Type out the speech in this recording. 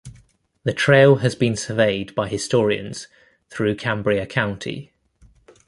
The trail has been surveyed by historians through Cambria County.